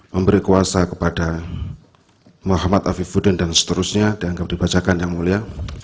memberi kuasa kepada muhammad afifuddin dan seterusnya dianggap dibacakan yang mulia